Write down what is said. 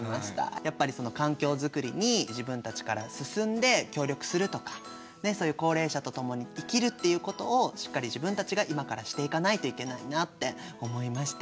やっぱりその環境作りに自分たちから進んで協力するとかそういう高齢者とともに生きるっていうことをしっかり自分たちが今からしていかないといけないなって思いました。